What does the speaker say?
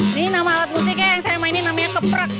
ini nama alat musiknya yang saya mainin namanya keprak